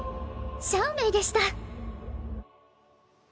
シャオメイでした。